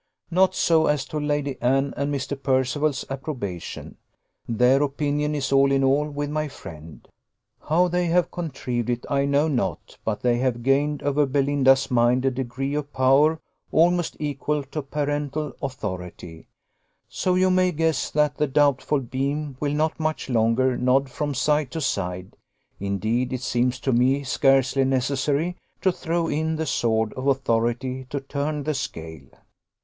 Not so as to Lady Anne and Mr. Percival's approbation their opinion is all in all with my friend. How they have contrived it, I know not, but they have gained over Belinda's mind a degree of power almost equal to parental authority; so you may guess that the doubtful beam will not much longer nod from side to side: indeed it seems to me scarcely necessary to throw in the sword of authority to turn the scale.